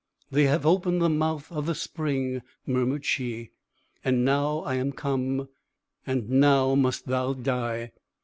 "They have opened the mouth of the spring," murmured she; "and now I am come, and now must thou die."